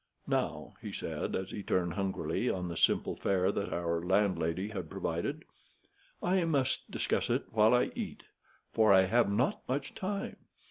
Now," he said, as he turned hungrily on the simple fare that our landlady had provided, "I must discuss it while I eat, for I have not much time.